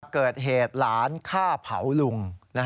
เกิดเหตุหลานฆ่าเผาลุง